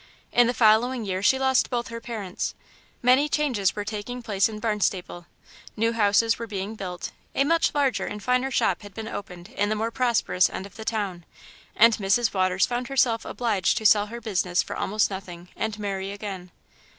In the following year she lost both her parents. Many changes were taking place in Barnstaple, new houses were being built, a much larger and finer shop had been opened in the more prosperous end of the town, and Mrs. Waters found herself obliged to sell her business for almost nothing, and marry again.